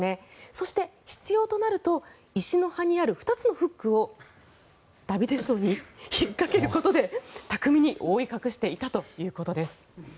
そして、必要となると石の葉にある２つのフックをダビデ像に引っかけることで巧みに覆い隠していたということです。